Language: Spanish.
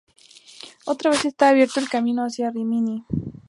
Otra vez estaba abierto el camino hacia Rímini.